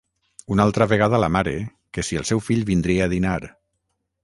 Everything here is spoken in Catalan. Una altra vegada la mare, que si el seu fill vindria a dinar...